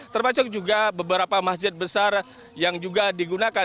termasuk juga beberapa masjid besar yang juga digunakan